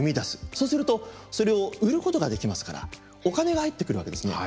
そうするとそれを売ることができますからお金が入ってくるわけですね。